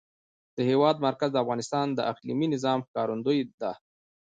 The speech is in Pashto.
د هېواد مرکز د افغانستان د اقلیمي نظام ښکارندوی ده.